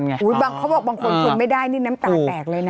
เขาบอกบางคนทนไม่ได้นี่น้ำตาแตกเลยนะ